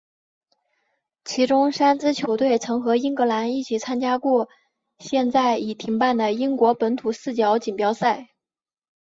其中三支球队曾和英格兰一起参加过现在已停办的英国本土四角锦标赛。